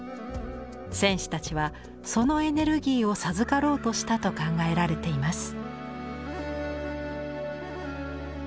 戦士たちはそのエネルギーを授かろうとしたと考えられています。